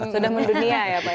sudah mendunia ya pak ya